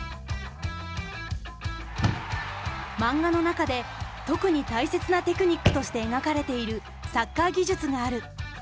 マンガの中で特に大切なテクニックとして描かれているサッカー技術がある。